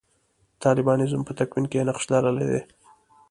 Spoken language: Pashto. د طالبانیزم په تکوین کې یې نقش لرلی دی.